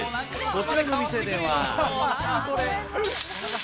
こちらの店では。